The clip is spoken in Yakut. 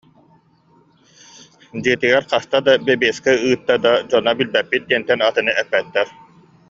Дьиэтигэр хаста даҕаны бэбиэскэ ыытта да, дьоно «билбэппит» диэнтэн атыны эппэттэр